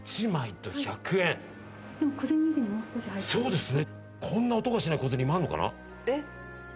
そうですね。